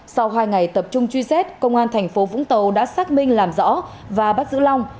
sau hai ngày tập trung truy xét công an thành phố vũng tàu đã xác minh làm rõ và bắt giữ long